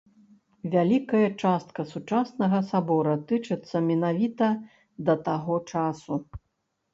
Вялікая частка сучаснага сабора тычыцца менавіта да таго часу.